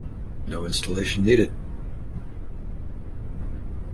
No installation needed.